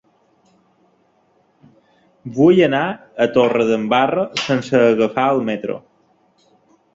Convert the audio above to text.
Vull anar a Torredembarra sense agafar el metro.